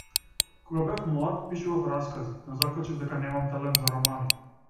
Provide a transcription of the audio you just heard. Кога бев млад пишував раскази, но заклучив дека немам талент за романи.